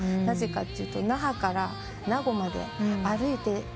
なぜかというと那覇から名護まで歩いて。